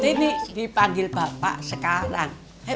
nih nih dipanggil bapak sekarang